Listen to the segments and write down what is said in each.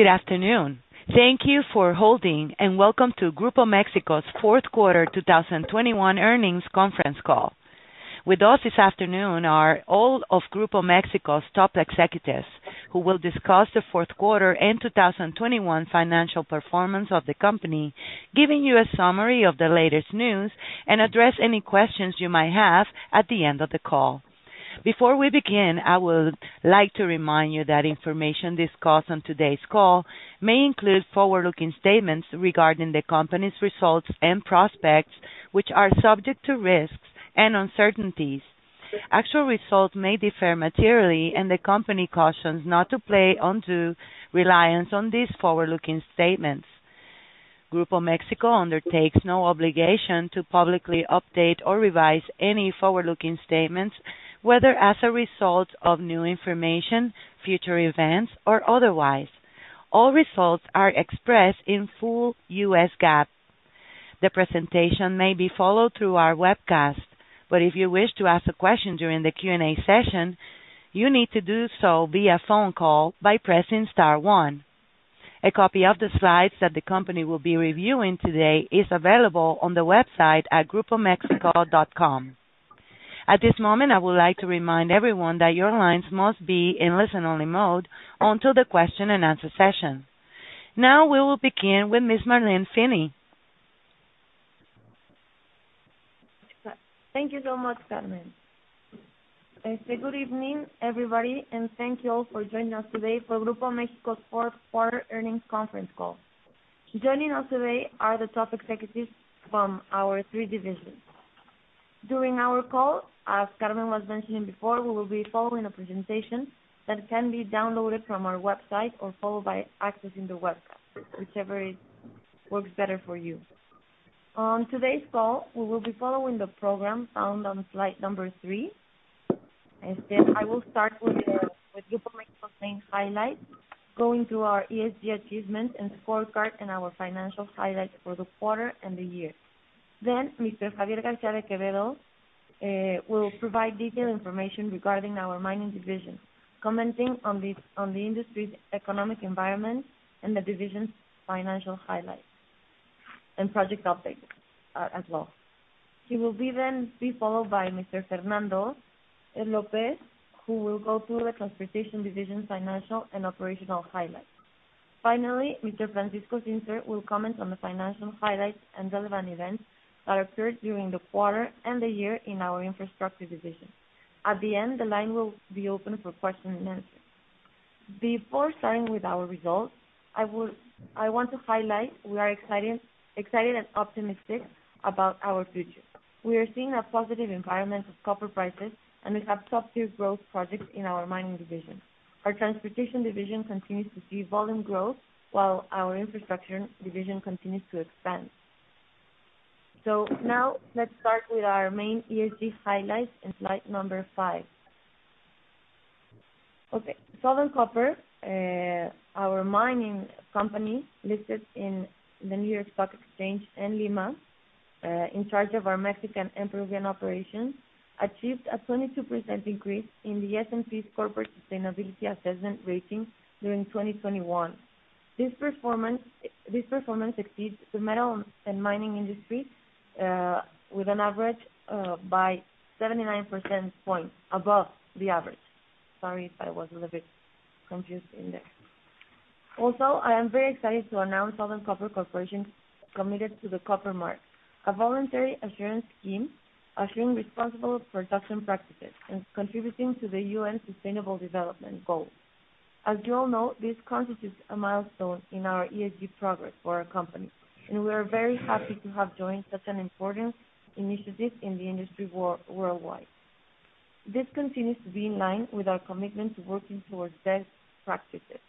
Good afternoon. Thank you for holding, and welcome to Grupo México's fourth quarter 2021 earnings conference call. With us this afternoon are all of Grupo México's top executives, who will discuss the fourth quarter and 2021 financial performance of the company, giving you a summary of the latest news, and address any questions you might have at the end of the call. Before we begin, I would like to remind you that information discussed on today's call may include forward-looking statements regarding the company's results and prospects, which are subject to risks and uncertainties. Actual results may differ materially, and the company cautions not to place undue reliance on these forward-looking statements. Grupo México undertakes no obligation to publicly update or revise any forward-looking statements, whether as a result of new information, future events, or otherwise. All results are expressed in full U.S. GAAP. The presentation may be followed through our webcast, but if you wish to ask a question during the Q&A session, you need to do so via phone call by pressing star one. A copy of the slides that the company will be reviewing today is available on the website at grupomexico.com. At this moment, I would like to remind everyone that your lines must be in listen-only mode until the question and answer session. Now, we will begin with Ms. Marlene Finny. Thank you so much, Carmen. I say good evening, everybody, and thank you all for joining us today for Grupo México's fourth quarter earnings conference call. Joining us today are the top executives from our three divisions. During our call, as Carmen was mentioning before, we will be following a presentation that can be downloaded from our website or followed by accessing the webcast, whichever works better for you. On today's call, we will be following the program found on slide number three. I said I will start with Grupo México's main highlights, going through our ESG achievements and scorecard and our financial highlights for the quarter and the year. Then Mr. Xavier García de Quevedo will provide detailed information regarding our mining division, commenting on the industry's economic environment and the division's financial highlights and project updates, as well. He will then be followed by Mr. Fernando Lopez, who will go through the transportation division's financial and operational highlights. Finally, Mr. Francisco Zinser will comment on the financial highlights and relevant events that occurred during the quarter and the year in our infrastructure division. At the end, the line will be open for question and answer. Before starting with our results, I want to highlight we are excited and optimistic about our future. We are seeing a positive environment of copper prices, and we have top tier growth projects in our mining division. Our transportation division continues to see volume growth, while our infrastructure division continues to expand. Now let's start with our main ESG highlights in slide number five. Okay. Southern Copper, our mining company listed in the New York Stock Exchange and Lima, in charge of our Mexican and Peruvian operations, achieved a 22% increase in the S&P's corporate sustainability assessment rating during 2021. This performance exceeds the metal and mining industry average by 79 percentage points. Sorry if I was a little bit confused in there. I am very excited to announce Southern Copper Corporation is committed to the Copper Mark, a voluntary assurance scheme assuring responsible production practices and contributing to the UN's sustainable development goals. As you all know, this constitutes a milestone in our ESG progress for our company, and we are very happy to have joined such an important initiative in the industry worldwide. This continues to be in line with our commitment to working towards best practices.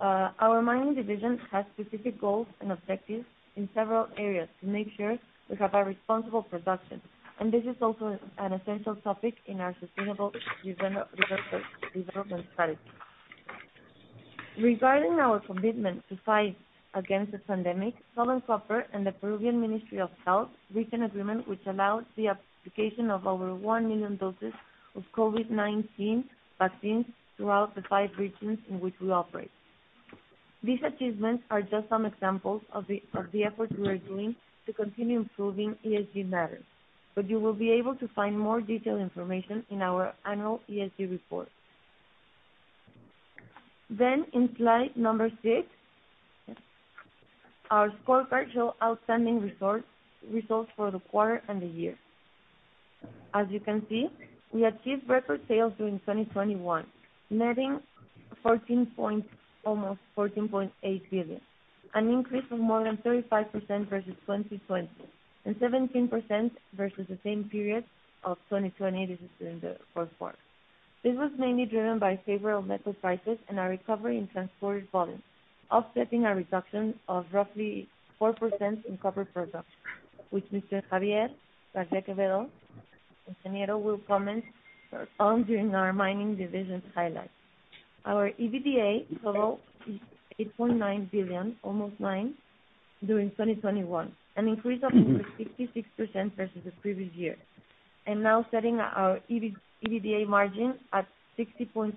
Our mining division has specific goals and objectives in several areas to make sure we have a responsible production, and this is also an essential topic in our sustainable development strategy. Regarding our commitment to fight against the pandemic, Southern Copper and the Peruvian Ministry of Health reached an agreement which allowed the application of over 1 million doses of COVID-19 vaccines throughout the five regions in which we operate. These achievements are just some examples of the effort we are doing to continue improving ESG matters, but you will be able to find more detailed information in our annual ESG report. In slide number six, our scorecard show outstanding results for the quarter and the year. As you can see, we achieved record sales during 2021, netting almost $14.8 billion, an increase of more than 35% versus 2020 and 17% versus the same period of 2020. This is during the fourth quarter. This was mainly driven by favorable metal prices and a recovery in transported volume, offsetting a reduction of roughly 4% in copper production, which Mr. Xavier García de Quevedo, Ingeniero, will comment on during our mining division highlights. Our EBITDA total is $8.9 billion, almost nine, during 2021. An increase of over 66% versus the previous year. Now setting our EBITDA margin at 60.4%,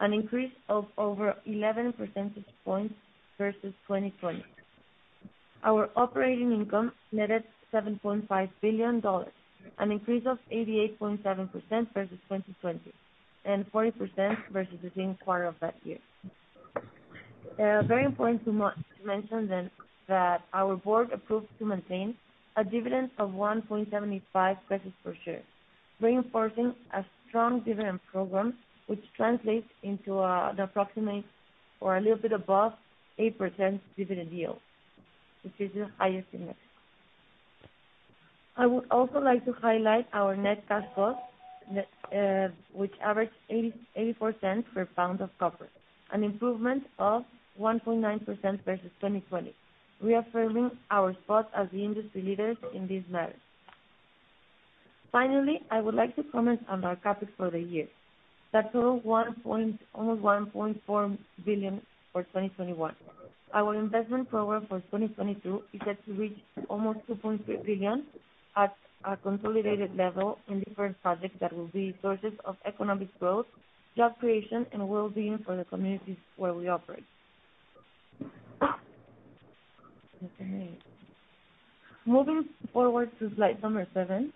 an increase of over 11 percentage points versus 2020. Our operating income netted $7.5 billion, an increase of 88.7% versus 2020, and 40% versus the same quarter of that year. Very important to mention that our board approved to maintain a dividend of 1.75 pesos per share, reinforcing a strong dividend program, which translates into the approximate or a little bit above 8% dividend yield, which is the highest in Mexico. I would also like to highlight our net cash costs which averaged $0.84 per pound of copper, an improvement of 1.9% versus 2020, reaffirming our spot as the industry leaders in this matter. Finally, I would like to comment on our CapEx for the year, that total almost $1.4 billion for 2021. Our investment program for 2022 is set to reach almost $2.3 billion at a consolidated level in different projects that will be sources of economic growth, job creation and wellbeing for the communities where we operate. Okay. Moving forward to slide seven.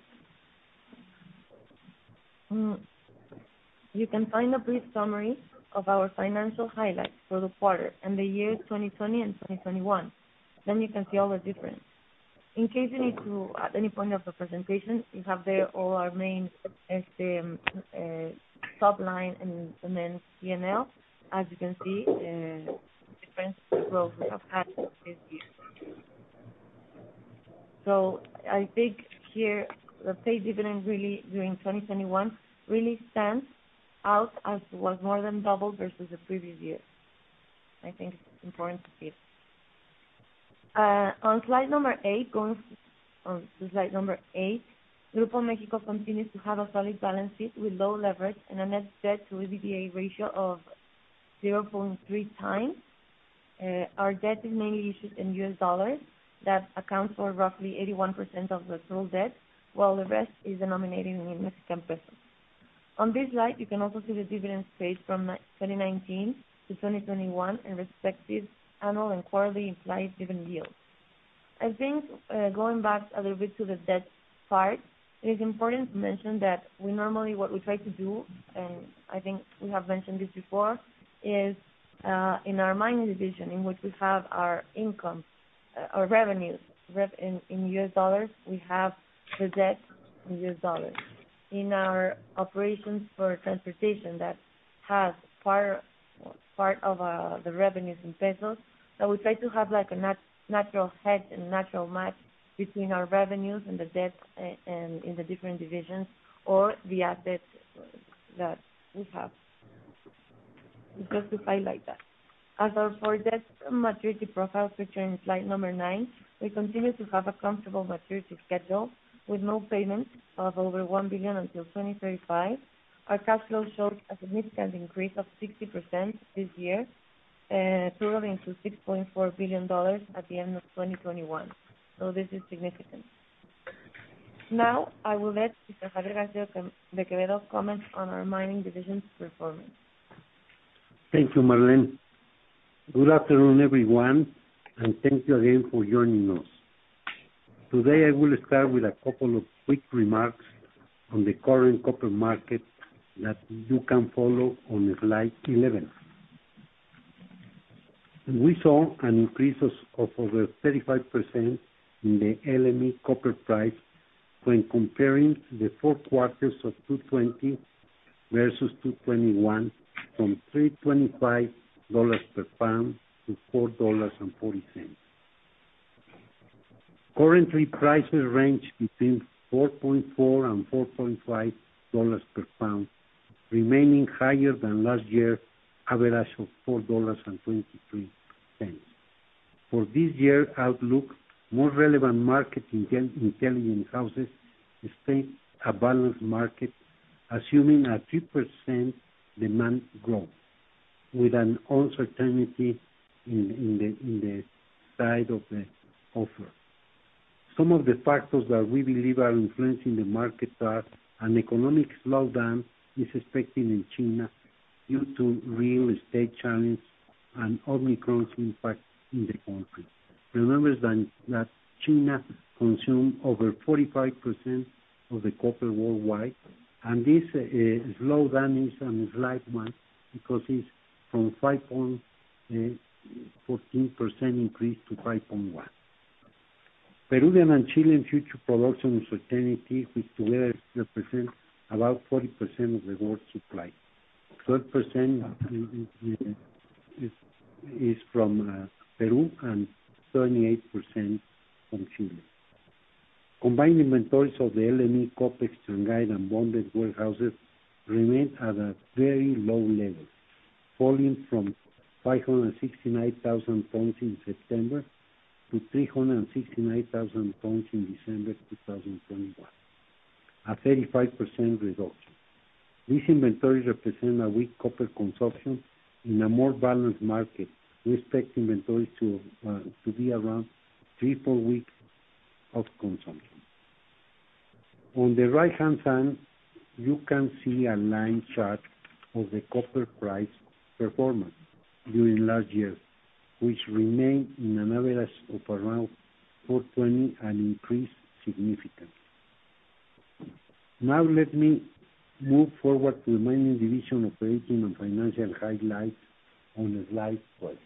You can find a brief summary of our financial highlights for the quarter and the year 2020 and 2021. Then you can see all the difference. In case you need to, at any point of the presentation, you have there all our main SM, top line and then P&L. As you can see, difference in growth we have had this year. I think here the paid dividend really during 2021 really stands out as it was more than double versus the previous year. I think it's important to see it. On slide number eight, Grupo México continues to have a solid balance sheet with low leverage and a net debt to EBITDA ratio of 0.3x. Our debt is mainly issued in U.S. dollars that accounts for roughly 81% of the total debt, while the rest is denominated in Mexican pesos. On this slide, you can also see the dividend space from 2019 to 2021 and respective annual and quarterly implied dividend yield. I think, going back a little bit to the debt part, it is important to mention that we normally what we try to do, and I think we have mentioned this before, is, in our mining division, in which we have our income, our revenues in U.S. dollars, we have the debt in U.S. dollars. In our operations for transportation that has part of the revenues in pesos, that we try to have like a natural hedge and natural match between our revenues and the debt, and in the different divisions or the assets that we have. Just to highlight that. As our debt maturity profile pictured in slide number nine, we continue to have a comfortable maturity schedule with no payments of over $1 billion until 2035. Our cash flow shows a significant increase of 60% this year, totaling to $6.4 billion at the end of 2021. This is significant. Now, I will let Mr. Xavier García de Quevedo comment on our mining division's performance. Thank you, Marlene. Good afternoon, everyone, and thank you again for joining us. Today, I will start with a couple of quick remarks on the current copper market that you can follow on slide 11. We saw an increase of over 35% in the LME copper price when comparing the four quarters of 2020 versus 2021 from $3.25 per pound to $4.40. Currently, prices range between $4.4 and $4.5 per pound, remaining higher than last year average of $4.23. For this year outlook, more relevant market intelligence houses expect a balanced market, assuming a 3% demand growth with an uncertainty in the side of the offer. Some of the factors that we believe are influencing the market are an economic slowdown is expected in China due to real estate challenge and Omicron's impact in the country. Remember that China consume over 45% of the copper worldwide, and this slowdown is a slight one because it's from 5.14% increase to 5.1%. Peruvian and Chilean future production uncertainty, which together represent about 40% of the world's supply. 12% is from Peru and 38% from Chile. Combined inventories of the LME, Comex, Shanghai, and bonded warehouses remain at a very low level, falling from 569,000 tons in September to 369,000 tons in December 2021. A 35% reduction. These inventories represent a weak copper consumption in a more balanced market. We expect inventories to be around three to four weeks of consumption. On the right-hand side, you can see a line chart of the copper price performance during last year, which remained in an average of around $4.20 and increased significantly. Now let me move forward to the mining division operating and financial highlights on slide 12.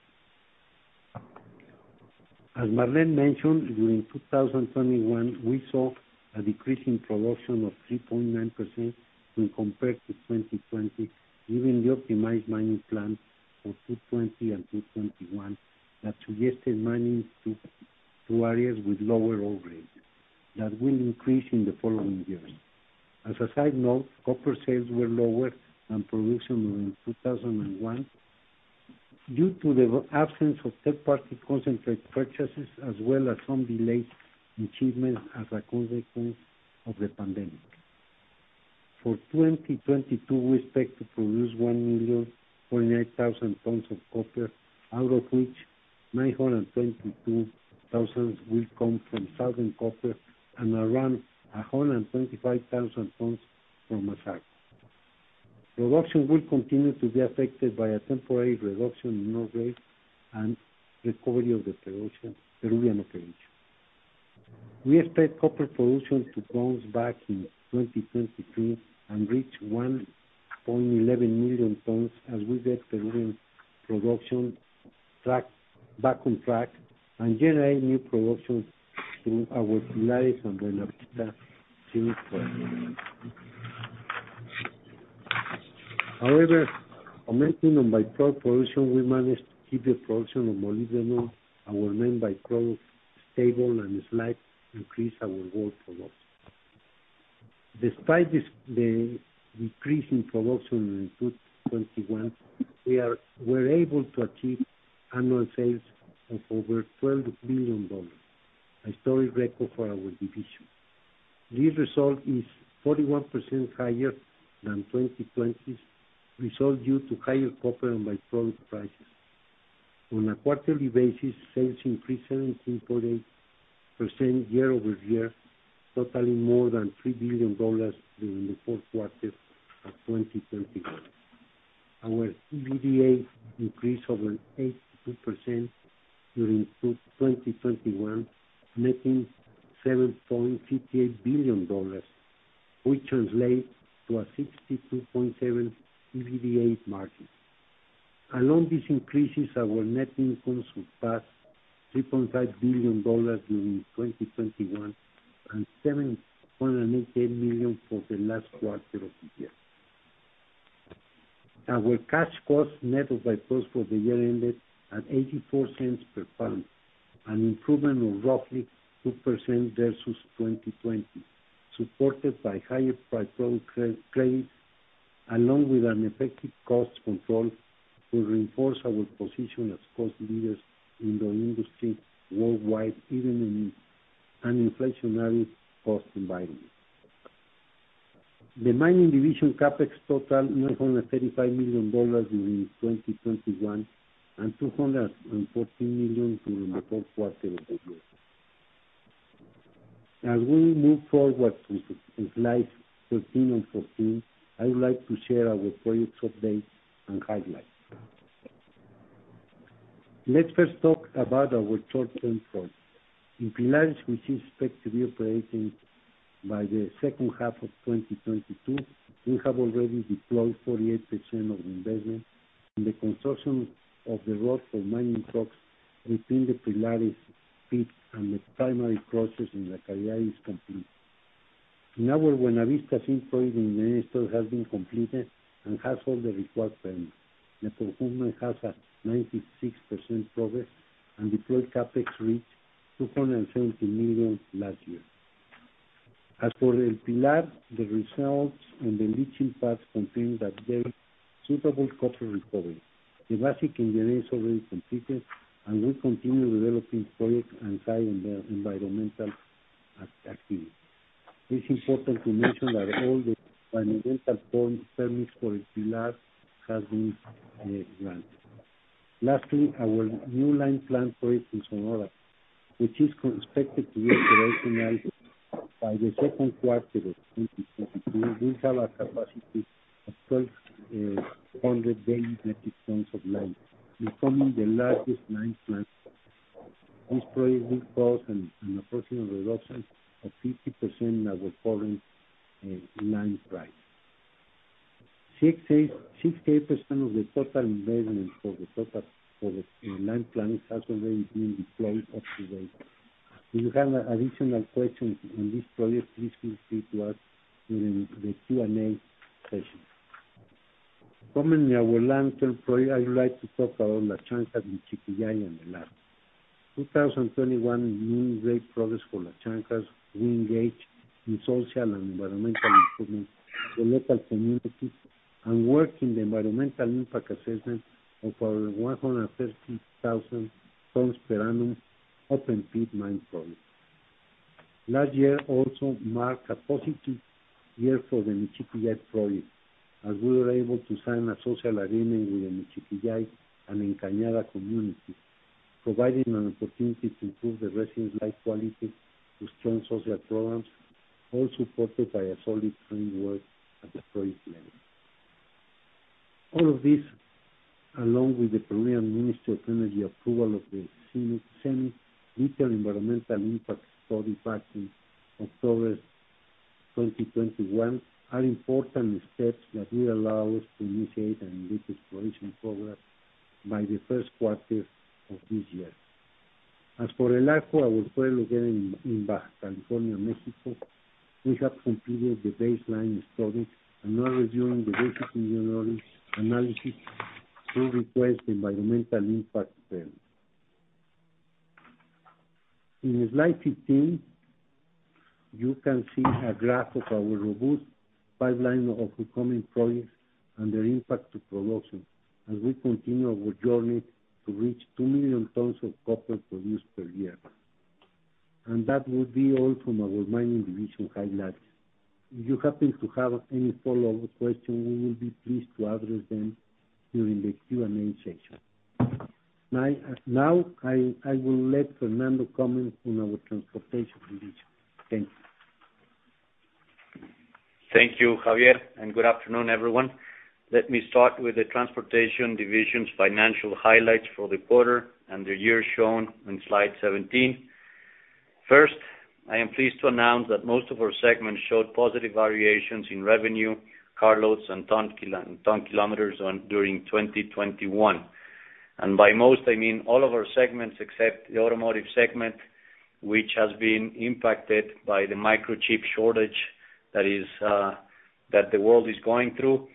As Marlene mentioned, during 2021, we saw a decrease in production of 3.9% when compared to 2020, given the optimized mining plan for 2020 and 2021 that suggested mining to areas with lower ore grades that will increase in the following years. As a side note, copper sales were lower than production in 2021 due to the absence of third-party concentrate purchases, as well as some delayed shipments as a consequence of the pandemic. For 2022, we expect to produce 1,048,000 tons of copper, out of which 922,000 will come from Southern Copper and around 125,000 tons from the site. Production will continue to be affected by a temporary reduction in ore grade and recovery of the Peruvian operation. We expect copper production to bounce back in 2023 and reach 1.11 million tons as we get Peruvian production back on track and generate new production through our [inaudible] and Buenavista streams. However, I mentioned on by-product production, we managed to keep the production of molybdenum, our main by growth, stable and slightly increase our gold production. Despite the decrease in production in 2021, we're able to achieve annual sales of over $12 billion, a historic record for our division. This result is 41% higher than 2020's result due to higher copper and by-product prices. On a quarterly basis, sales increased 17.8% year over year, totaling more than $3 billion during the fourth quarter of 2021. Our EBITDA increased over 82% during 2021, making $7.58 billion, which translates to a 62.7% EBITDA margin. Along these increases, our net income surpassed $3.5 billion during 2021 and $78.8 million for the last quarter of the year. Our cash costs net of by-products for the year ended at $0.84 per pound, an improvement of roughly 2% versus 2020, supported by higher by-product credits along with an effective cost control to reinforce our position as cost leaders in the industry worldwide, even in an inflationary cost environment. The mining division CapEx totaled $935 million during 2021 and $214 million during the fourth quarter of the year. As we move forward to slides 13 and 14, I would like to share our projects updates and highlights. Let's first talk about our short-term projects. In Buenavista we soon expect to be operating by the second half of 2022. We have already deployed 48% of investment in the construction of the road for mining trucks between the open pit and the primary crusher is complete. Now our Buenavista concentrator has been completed and has all the required permits. The performance has 96% progress and deployed CapEx reached $270 million last year. As for El Pilar, the results and the leaching pads confirm that there is suitable copper recovery. The basic engineering is already completed, and we continue developing projects and carrying the environmental activities. It's important to mention that all the environmental permits for El Pilar has been granted. Lastly, our new lime plant project in Sonora, which is expected to be operational by the second quarter of 2022, will have a capacity of 1,200 daily metric tons of lime, becoming the largest lime plant. This project will cause an approximate reduction of 50% in our current lime price. 68% of the total investment for the lime plant has already been deployed to date. If you have additional questions on this project, please feel free to ask during the Q&A session. Coming to our long-term project, I would like to talk about the transaction with CPI and Minera. 2021 means great progress for Los Chancas. We engaged in social and environmental improvements for local communities and the environmental impact assessment of our 130,000 tons per annum open pit mine project. Last year also marked a positive year for the Michiquillay project, as we were able to sign a social agreement with the Michiquillay and La Encañada community, providing an opportunity to improve the residents' life quality through strong social programs, all supported by a solid framework at the project level. All of this, along with the Peruvian Ministry of Energy and Mines approval of the semi-detailed environmental impact study back in October 2021, are important steps that will allow us to initiate an exploration program by the first quarter of this year. As for El Arco, our project located in Baja California, Mexico, we have completed the baseline study and are reviewing the basic engineering analysis to request environmental impact permit. In slide 15, you can see a graph of our robust pipeline of upcoming projects and their impact to production as we continue our journey to reach 2 million tons of copper produced per year. That would be all from our mining division highlights. If you happen to have any follow-up question, we will be pleased to address them during the Q&A session. Now, I will let Fernando comment on our transportation division. Thank you. Thank you, Xavier, and good afternoon, everyone. Let me start with the transportation division's financial highlights for the quarter and the year shown on slide 17. First, I am pleased to announce that most of our segments showed positive variations in revenue, carloads, and ton-kilometers during 2021. By most, I mean all of our segments except the automotive segment, which has been impacted by the microchip shortage that the world is going through.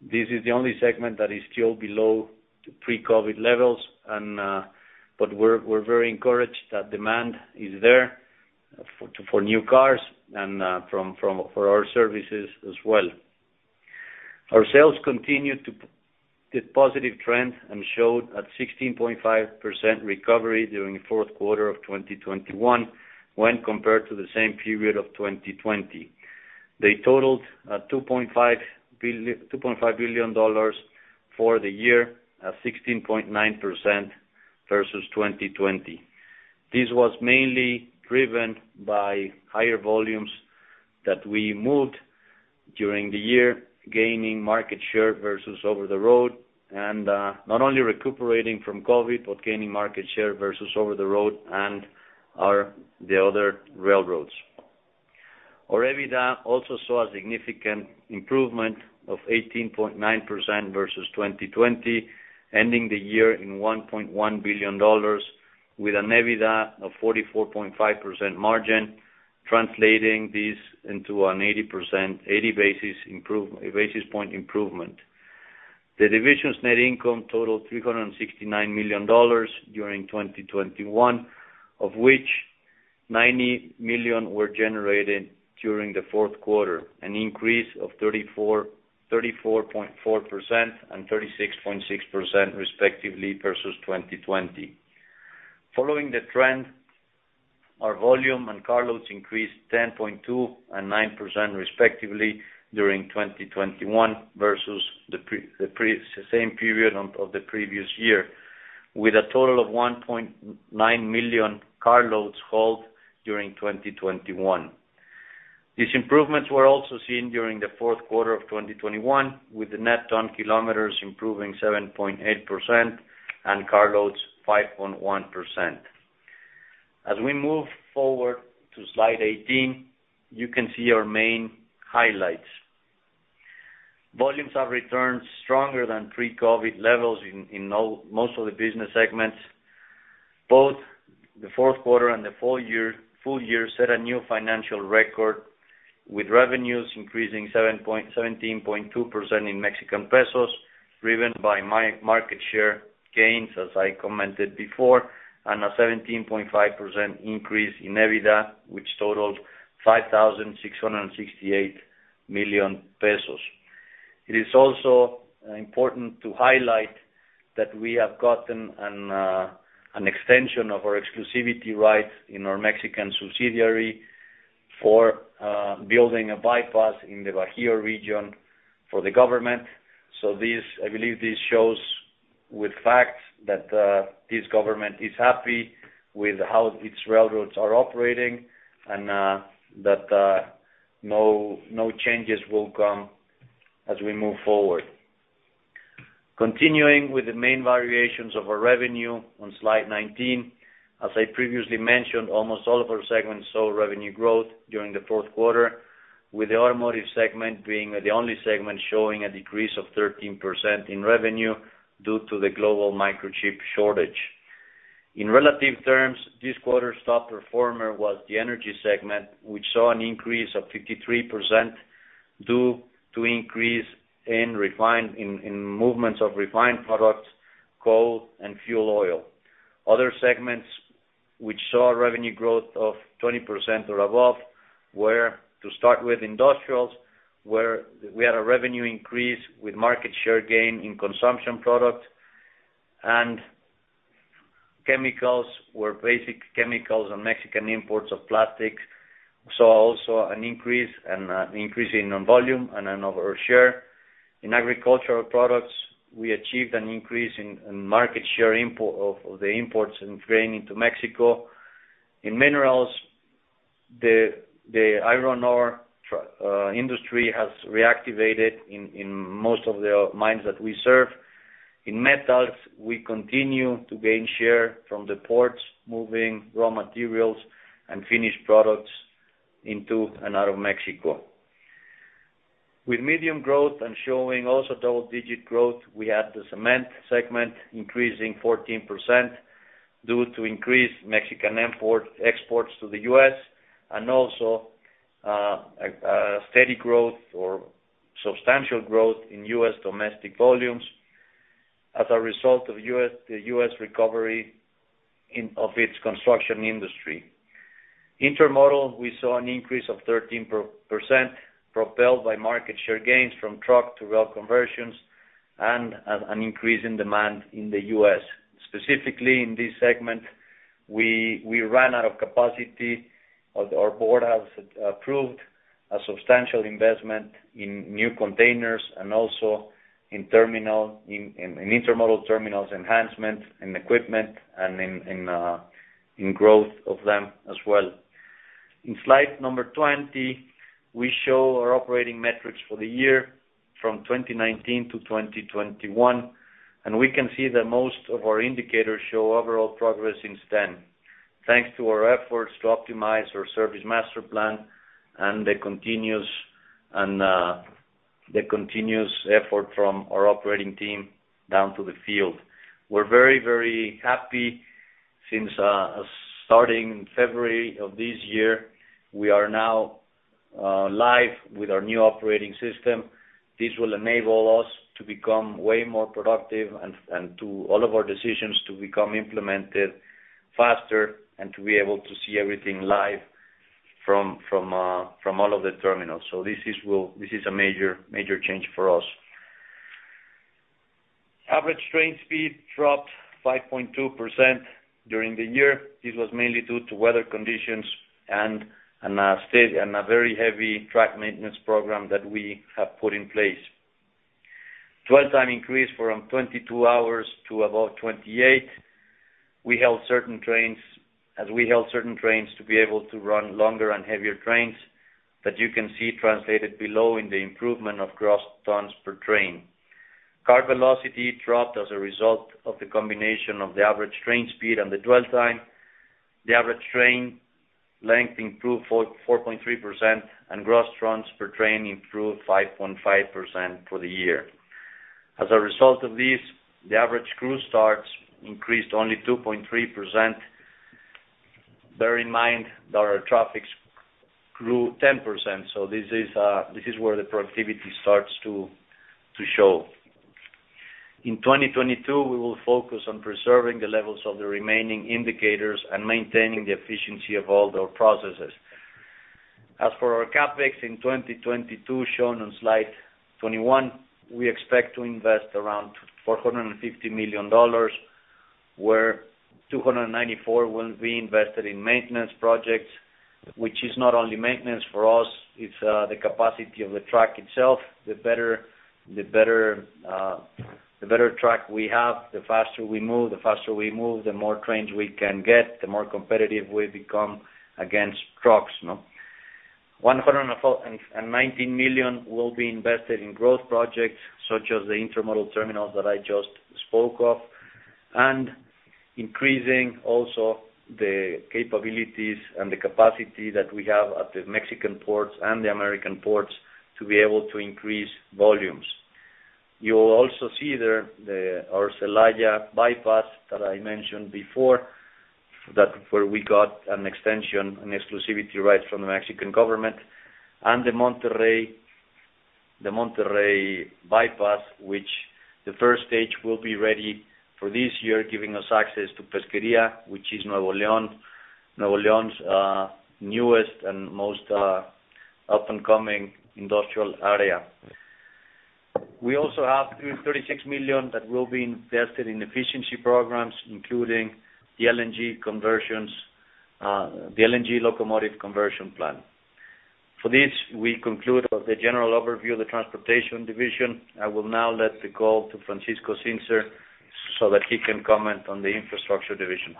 This is the only segment that is still below pre-COVID levels, but we're very encouraged that demand is there for new cars and from for our services as well. Our sales continued this positive trend and showed a 16.5% recovery during the fourth quarter of 2021 when compared to the same period of 2020. They totaled $2.5 billion for the year at 16.9% versus 2020. This was mainly driven by higher volumes that we moved during the year, gaining market share versus over-the-road. Not only recuperating from COVID, but gaining market share versus over the road and the other railroads. Our EBITDA also saw a significant improvement of 18.9% versus 2020, ending the year in $1.1 billion with an EBITDA margin of 44.5%, translating this into an 80 basis point improvement. The division's net income totaled $369 million during 2021, of which $90 million were generated during the fourth quarter, an increase of 34.4% and 36.6% respectively, versus 2020. Following the trend, our volume and carloads increased 10.2% and 9% respectively during 2021 versus the same period of the previous year, with a total of 1.9 million carloads hauled during 2021. These improvements were also seen during the fourth quarter of 2021, with the net ton kilometers improving 7.8% and carloads 5.1%. As we move forward to slide 18, you can see our main highlights. Volumes have returned stronger than pre-COVID levels in most of the business segments. Both the fourth quarter and the full year set a new financial record with revenues increasing 17.2% in Mexican pesos, driven by market share gains, as I commented before, and a 17.5% increase in EBITDA, which totaled 5,668 million pesos. It is also important to highlight that we have gotten an extension of our exclusivity rights in our Mexican subsidiary for building a bypass in the Bajío region for the government. This I believe shows with facts that this government is happy with how its railroads are operating and that no changes will come as we move forward. Continuing with the main variations of our revenue on slide 19. As I previously mentioned, almost all of our segments saw revenue growth during the fourth quarter, with the automotive segment being the only segment showing a decrease of 13% in revenue due to the global microchip shortage. In relative terms, this quarter's top performer was the energy segment, which saw an increase of 53% due to increase in movements of refined products, coal and fuel oil. Other segments which saw revenue growth of 20% or above were, to start with industrials, where we had a revenue increase with market share gain in consumption product. Chemicals were basic chemicals and Mexican imports of plastics, saw also an increase in volume and in overall share. In agricultural products, we achieved an increase in market share of the imports in grain into Mexico. In minerals, the iron ore industry has reactivated in most of the mines that we serve. In metals, we continue to gain share from the ports, moving raw materials and finished products into and out of Mexico. With medium growth and showing also double-digit growth, we had the cement segment increasing 14% due to increased Mexican exports to the U.S., and also a steady growth or substantial growth in U.S. domestic volumes as a result of the U.S. recovery of its construction industry. Intermodal, we saw an increase of 13%, propelled by market share gains from truck to rail conversions and an increase in demand in the U.S. Specifically, in this segment, we ran out of capacity. Our Board has approved a substantial investment in new containers and also in terminals, in intermodal terminals enhancement, in equipment and in growth of them as well. In slide number 20, we show our operating metrics for the year from 2019 to 2021, and we can see that most of our indicators show overall progress since then. Thanks to our efforts to optimize our service master plan and the continuous effort from our operating team down to the field. We're very happy since starting February of this year, we are now live with our new operating system. This will enable us to become way more productive and to have all of our decisions implemented faster and to be able to see everything live from all of the terminals. This is a major change for us. Average train speed dropped 5.2% during the year. This was mainly due to weather conditions and a steady and very heavy track maintenance program that we have put in place. Dwell time increased from 22 hours to about 28. We held certain trains to be able to run longer and heavier trains that you can see translated below in the improvement of gross tons per train. Car velocity dropped as a result of the combination of the average train speed and the dwell time. The average train length improved 4.3%, and gross tons per train improved 5.5% for the year. As a result of this, the average crew starts increased only 2.3%. Bear in mind that our traffic has grown 10%, so this is where the productivity starts to show. In 2022, we will focus on preserving the levels of the remaining indicators and maintaining the efficiency of all their processes. As for our CapEx in 2022 shown on slide 21, we expect to invest around $450 million, where $294 million will be invested in maintenance projects, which is not only maintenance for us, it's the capacity of the track itself. The better track we have, the faster we move. The faster we move, the more trains we can get, the more competitive we become against trucks, no? 104 million and 19 million will be invested in growth projects such as the intermodal terminals that I just spoke of, and increasing also the capabilities and the capacity that we have at the Mexican ports and the American ports to be able to increase volumes. You'll also see there our Celaya bypass that I mentioned before, that, where we got an extension and exclusivity rights from the Mexican government. The Monterrey bypass, which the first stage will be ready for this year, giving us access to Pesquería, which is Nuevo León, Nuevo León's newest and most up-and-coming industrial area. We also have 36 million that will be invested in efficiency programs, including the LNG conversions, the LNG locomotive conversion plan. With this, we conclude the general overview of the transportation division. I will now let the call to Francisco Zinser so that he can comment on the infrastructure division.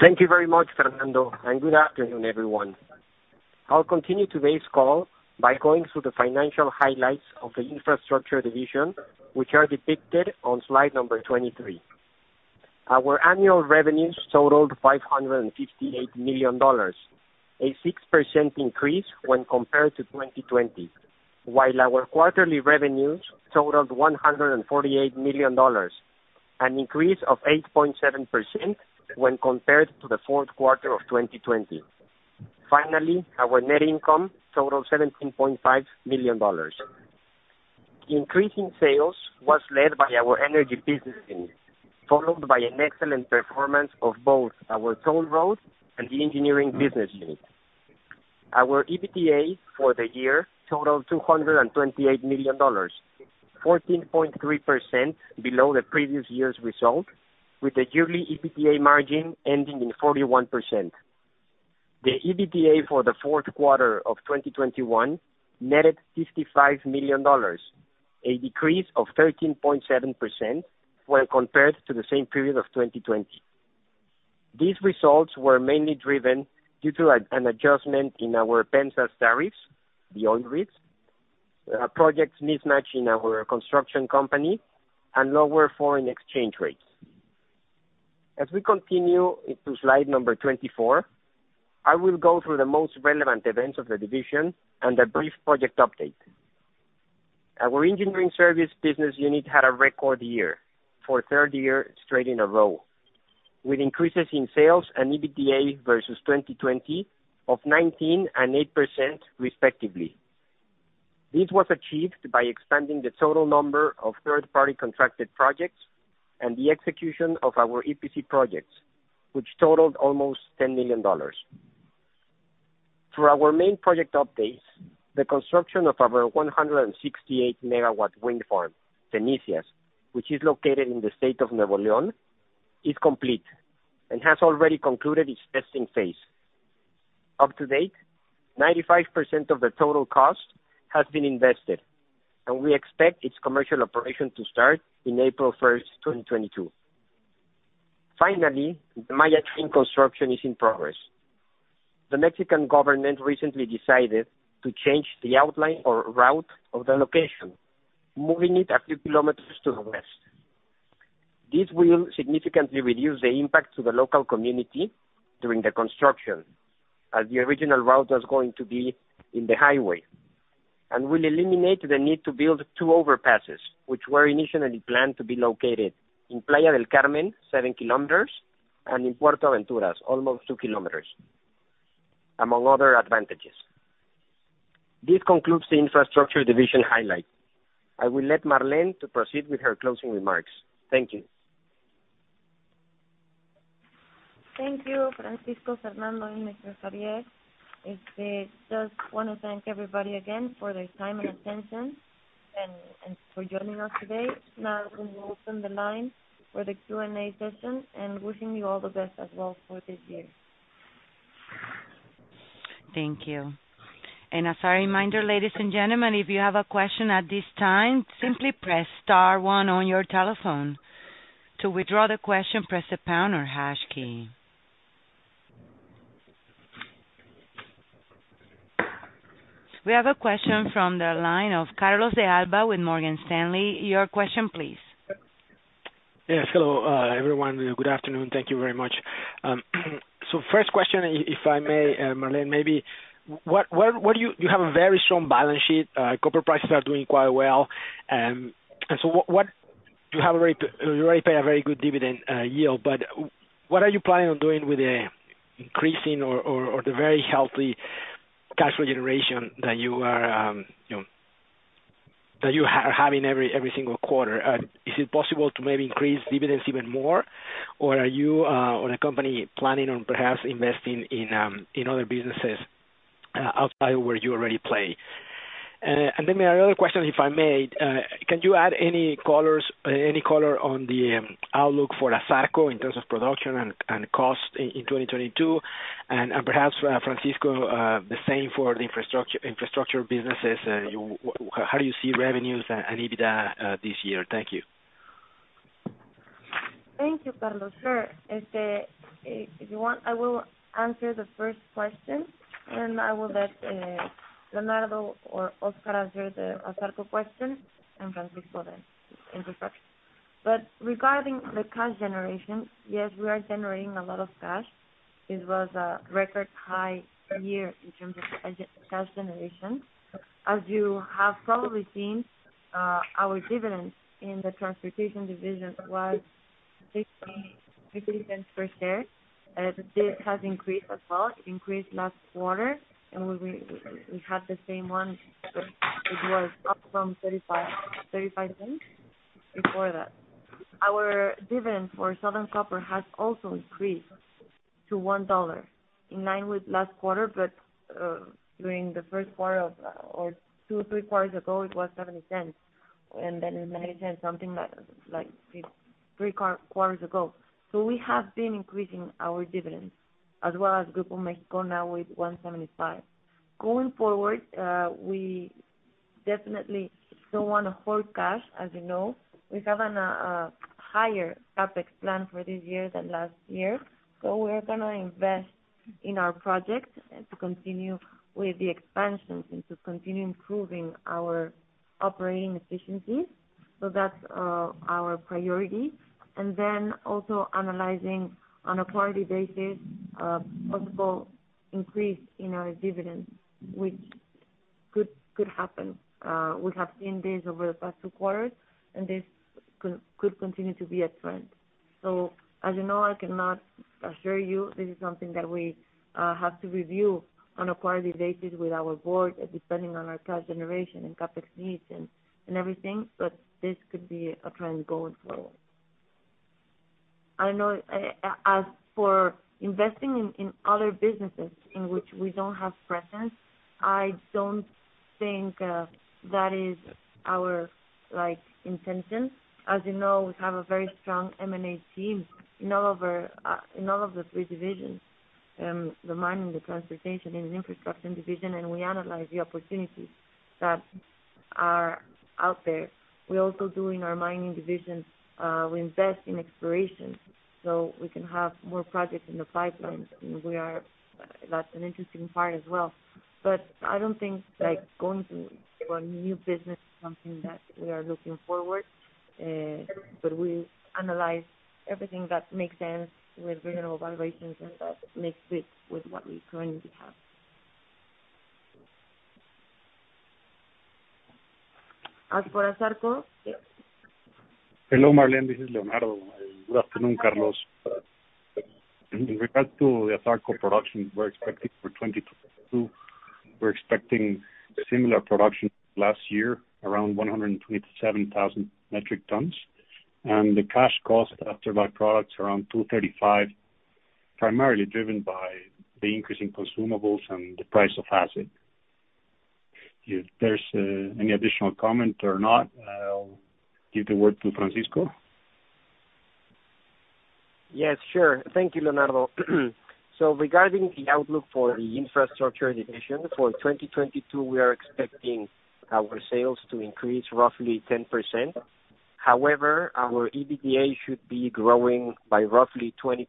Thank you very much, Fernando, and good afternoon, everyone. I'll continue today's call by going through the financial highlights of the infrastructure division, which are depicted on slide number 23. Our annual revenues totaled $558 million, a 6% increase when compared to 2020. While our quarterly revenues totaled $148 million, an increase of 8.7% when compared to the fourth quarter of 2020. Finally, our net income totaled $17.5 million. Increasing sales was led by our energy business unit, followed by an excellent performance of both our toll road and the engineering business unit. Our EBITDA for the year totaled $228 million, 14.3% below the previous year's result, with the yearly EBITDA margin ending in 41%. The EBITDA for the fourth quarter of 2021 netted $55 million, a decrease of 13.7% when compared to the same period of 2020. These results were mainly driven due to an adjustment in our tariffs beyond grids projects mismatch in our construction company, and lower foreign exchange rates. As we continue into slide 24, I will go through the most relevant events of the division and a brief project update. Our engineering service business unit had a record year for a third year straight in a row, with increases in sales and EBITDA versus 2020 of 19% and 8% respectively. This was achieved by expanding the total number of third-party contracted projects and the execution of our EPC projects, which totaled almost $10 million. Through our main project updates, the construction of our 168 MW wind farm, which is located in the state of Nuevo León, is complete and has already concluded its testing phase. To date, 95% of the total cost has been invested, and we expect its commercial operation to start in April 1, 2022. The Maya Train construction is in progress. The Mexican government recently decided to change the outline or route of the location, moving it a few kilometers to the west. This will significantly reduce the impact to the local community during the construction, as the original route was going to be in the highway, and will eliminate the need to build two overpasses, which were initially planned to be located in Playa del Carmen, 7 km, and in Puerto Aventuras, almost 2 km, among other advantages. This concludes the infrastructure division highlight. I will let Marlene to proceed with her closing remarks. Thank you. Thank you, Francisco, Fernando, and Mr. Xavier. I just wanna thank everybody again for their time and attention and for joining us today. Now, we will open the line for the Q&A session, and wishing you all the best as well for this year. Thank you. As a reminder, ladies and gentlemen, if you have a question at this time, simply press star one on your telephone. To withdraw the question, press the pound or hash key. We have a question from the line of Carlos de Alba with Morgan Stanley. Your question please. Yes. Hello, everyone. Good afternoon. Thank you very much. First question, if I may, Marlene, maybe. You have a very strong balance sheet. Copper prices are doing quite well. You already pay a very good dividend yield, but what are you planning on doing with the increasing or the very healthy cash flow generation that you are, you know, that you are having every single quarter? Is it possible to maybe increase dividends even more? Or are you or the company planning on perhaps investing in other businesses outside of where you already play? Then my other question, if I may, can you add any colors, any color on the outlook for Asarco in terms of production and cost in 2022? And perhaps Francisco, the same for the infrastructure businesses. How do you see revenues and EBITDA this year? Thank you. Thank you, Carlos. Sure. If you want, I will answer the first question, and I will let Leonardo or Oscar answer the Asarco question, and Francisco the infrastructure. Regarding the cash generation, yes, we are generating a lot of cash. It was a record high year in terms of cash generation. As you have probably seen, our dividends in the transportation division was $0.50 per share. This has increased as well, increased last quarter, and we had the same one. It was up from $0.35 before that. Our dividend for Southern Copper has also increased to $1, in line with last quarter. During the first quarter or two, three quarters ago, it was $0.70, and then $0.90, something like three quarters ago. We have been increasing our dividends as well as Grupo México now with 1.75. Going forward, we definitely still wanna hold cash, as you know. We have a higher CapEx plan for this year than last year. We're gonna invest in our projects and to continue with the expansions and to continue improving our operating efficiencies. That's our priority. Then also analyzing on a quarterly basis possible increase in our dividends, which could happen. We have seen this over the past two quarters, and this could continue to be a trend. So as you know, I cannot assure you this is something that we have to review on a quarterly basis with our board, depending on our cash generation and CapEx needs and everything. This could be a trend going forward. I know, as for investing in other businesses in which we don't have presence, I don't think that is our, like, intention. As you know, we have a very strong M&A team in all of the three divisions, the mining, the transportation and the infrastructure division, and we analyze the opportunities that are out there. We also do in our mining division, we invest in exploration, so we can have more projects in the pipeline. That's an interesting part as well. I don't think, like, going to a new business is something that we are looking forward. We analyze everything that makes sense with reasonable valuations and that makes sense with what we currently have. As for Asarco? Hello, Marlene, this is Leonardo. Good afternoon, Carlos. In regard to the Asarco production we're expecting for 2022, we're expecting similar production last year, around 127,000 metric tons. The cash cost after byproducts around $235, primarily driven by the increase in consumables and the price of acid. If there's any additional comment or not, I'll give the word to Francisco. Yes, sure. Thank you, Leonardo. Regarding the outlook for the infrastructure division, for 2022, we are expecting our sales to increase roughly 10%. However, our EBITDA should be growing by roughly 20%.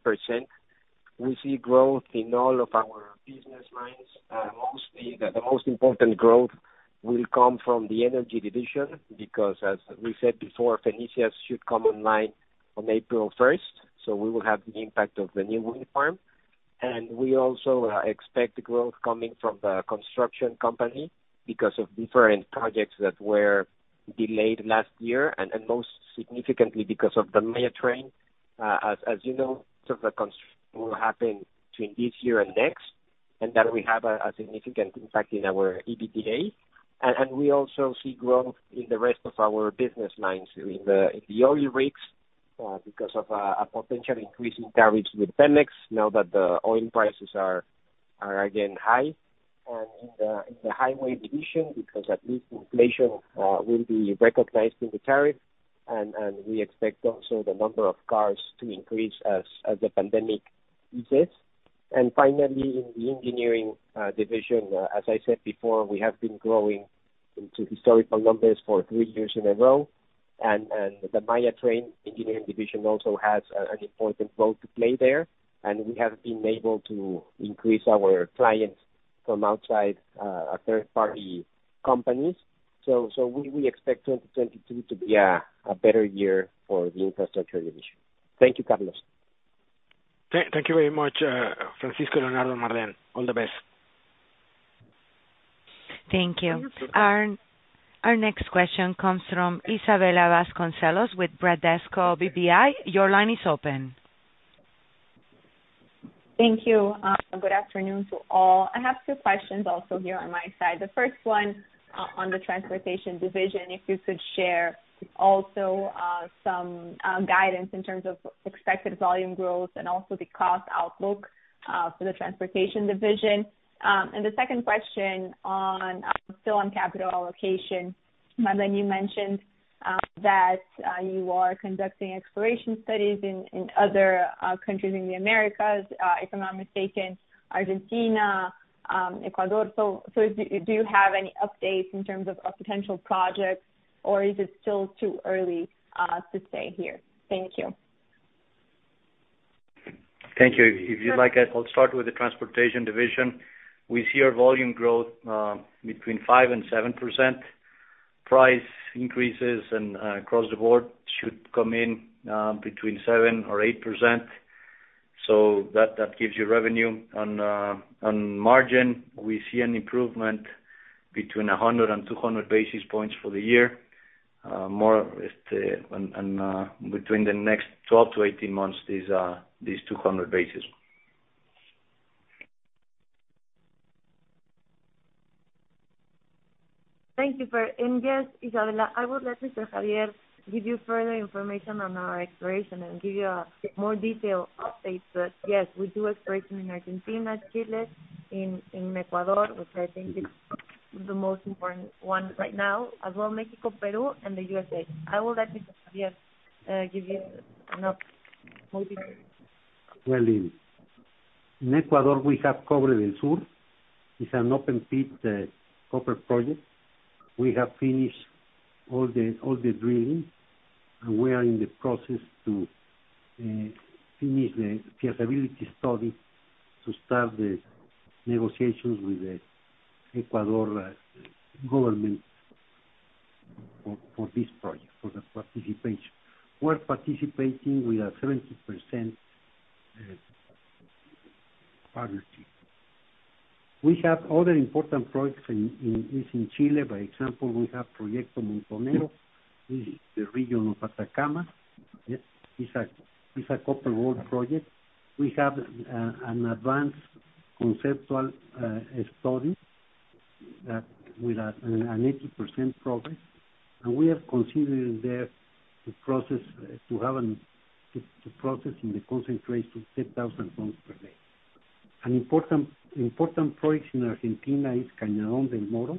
We see growth in all of our business lines. Mostly the most important growth will come from the energy division because as we said before, Fenicias should come online on April 1, so we will have the impact of the new wind farm. We also expect growth coming from the construction company because of different projects that were delayed last year and most significantly because of the Maya Train. As you know, construction will happen between this year and next, and that will have a significant impact in our EBITDA. We also see growth in the rest of our business lines, in the oil rigs, because of a potential increase in tariffs with Pemex now that the oil prices are again high. In the highway division because at least inflation will be recognized in the tariff. We expect also the number of cars to increase as the pandemic eases. Finally, in the engineering division, as I said before, we have been growing into historical numbers for three years in a row. And the Maya Train engineering division also has an important role to play there. And we have been able to increase our clients from outside our third-party companies. So we expect 2022 to be a better year for the infrastructure division. Thank you, Carlos. Thank you very much, Francisco, Leonardo and Marlene. All the best. Thank you. Our next question comes from Isabella Vasconcelos with Bradesco BBI. Your line is open. Thank you. Good afternoon to all. I have two questions also here on my side. The first one on the transportation division, if you could share also some guidance in terms of expected volume growth and also the cost outlook for the transportation division. The second question on still on capital allocation. Marlene, you mentioned that you are conducting exploration studies in other countries in the Americas, if I'm not mistaken, Argentina, Ecuador. So do you have any updates in terms of potential projects or is it still too early to say here? Thank you. Thank you. If you like, I'll start with the transportation division. We see our volume growth between 5%-7%. Price increases across the board should come in between 7%-8%. That gives you revenue. On margin, we see an improvement between 100-200 basis points for the year. Between the next 12-18 months, these 200 basis points. Yes, Isabella, I will let Mr. Xavier give you further information on our exploration and give you a more detailed update. Yes, we do exploration in Argentina, Chile, Ecuador, which I think is the most important one right now, as well Mexico, Peru and the USA. I will let Mr. Xavier give you more detail. Well, in Ecuador we have Ruta del Cobre. It's an open pit copper project. We have finished all the drilling, and we are in the process to finish the feasibility study to start the negotiations with the Ecuador government. For this project, for the participation. We're participating with a 70% partnership. We have other important projects in Chile, for example, we have Proyecto Montonero. This is the region of Atacama. Yes. It's a copper gold project. We have an advanced conceptual study with an 80% progress. We have considered there the process to process in the concentration 10,000 tons per day. An important project in Argentina is Cañadón del Moro.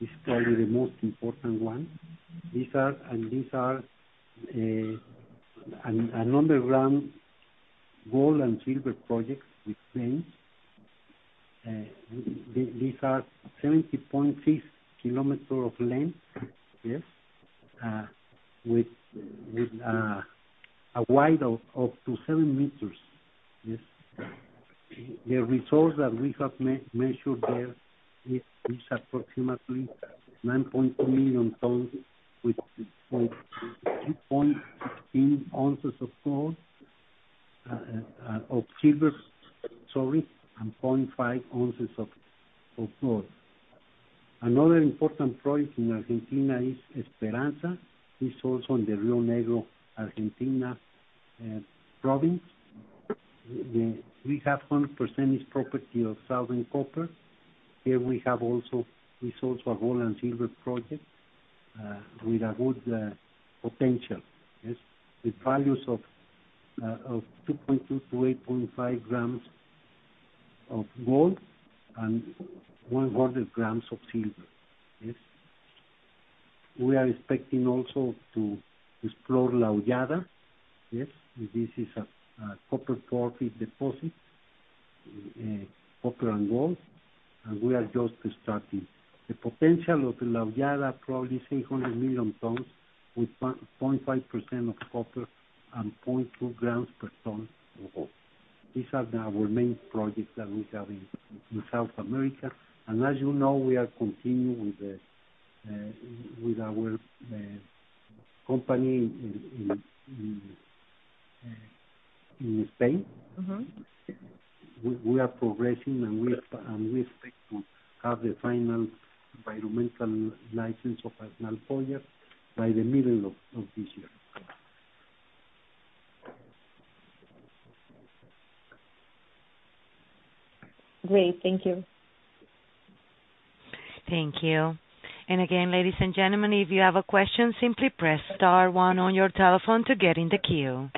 It's probably the most important one. These are an underground gold and silver projects with veins. These are 70.6 km in length. Yes. With a width of up to 7 m. Yes. The resource that we have measured there is approximately 9.2 million tons with 0.6 ounces of silver, sorry, and 0.5 ounces of gold. Another important project in Argentina is Esperanza. It's also in the Río Negro, Argentina, province. We have 100% this property of Southern Copper. Here we have also. It's also a gold and silver project with a good potential. Yes. With values of 2.2-8.5 grams of gold and 100 grams of silver. Yes. We are expecting also to explore La Olada. Yes. This is a copper porphyry deposit, copper and gold. We are just starting. The potential of La Olada, probably 600 million tons with 0.5% of copper and 0.2 grams per ton of gold. These are our main projects that we have in South America. As you know, we are continuing with our company in Spain. We are progressing, and we expect to have the final environmental license of Aznalcóllar by the middle of this year. Great. Thank you. Thank you. Again, ladies and gentlemen, if you have a question, simply press star one on your telephone to get in the queue.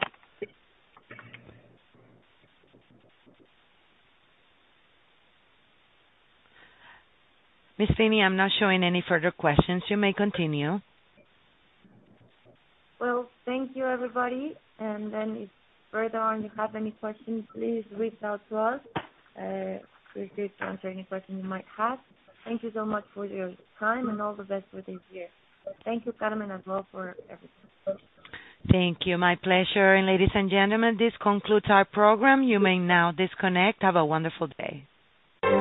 Miss Finny, I'm not showing any further questions. You may continue. Well, thank you, everybody. If further on you have any questions, please reach out to us. We're here to answer any questions you might have. Thank you so much for your time and all the best for this year. Thank you, Carmen, as well, for everything. Thank you. My pleasure. Ladies and gentlemen, this concludes our program. You may now disconnect. Have a wonderful day.